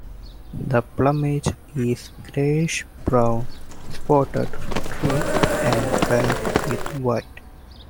The plumage is greyish-brown, spotted, streaked and barred with white.